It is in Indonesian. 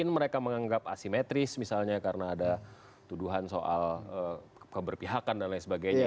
mereka menganggap asimetris misalnya karena ada tuduhan soal keberpihakan dan lain sebagainya